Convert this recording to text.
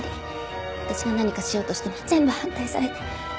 私が何かしようとしても全部反対されて。